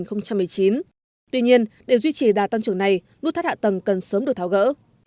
tuy nhiên để duy trì đạt tăng trưởng này nút thắt hạ tầng cần sớm được tháo gỡ